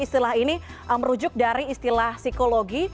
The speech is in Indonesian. istilah ini merujuk dari istilah psikologi